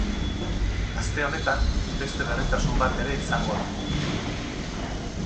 Aste honetan, beste berritasun bat ere izango da.